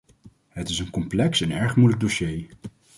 Het is een complex en erg moeilijk dossier.